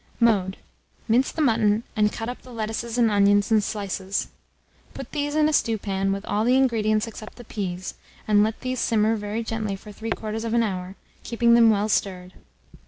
Mode. Mince the mutton, and cut up the lettuces and onions in slices. Put these in a stewpan, with all the ingredients except the peas, and let these simmer very gently for 3/4 hour, keeping them well stirred.